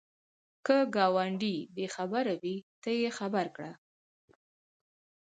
که ګاونډی بې خبره وي، ته یې خبر کړه